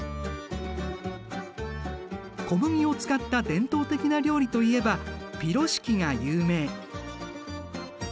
小麦を使った伝統的な料理といえばピロシキが有名。